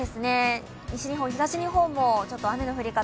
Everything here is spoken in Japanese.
西日本、東日本も雨の降り方